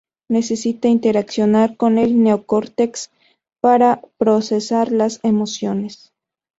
Necesita interaccionar con el neocórtex para procesar las emociones.